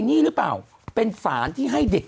คุณหนุ่มกัญชัยได้เล่าใหญ่ใจความไปสักส่วนใหญ่แล้ว